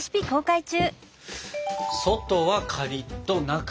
外はカリッと中はフワ。